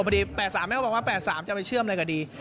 พอดี๘๓แม่ก็บอกว่า๘๓จะไปเชื่อมอะไรก็ดี